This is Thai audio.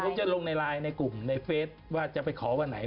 ผมจะลงในไลน์ในกลุ่มในเฟสว่าจะไปขอวันไหน